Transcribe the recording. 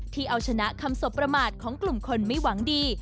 เอาชนะคำสบประมาทของกลุ่มคนไม่หวังดี